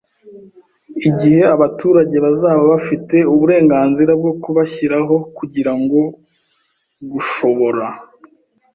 Igihe abaturage bazaba bafite uburenganzira bwo kubashyiraho kugira ngo gushobora